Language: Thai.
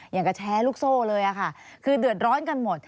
อย่างกระแชร์ลูกโซ่เลยค่ะคือเดือดร้อนกันหมด